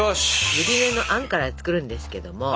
ゆり根のあんから作るんですけども。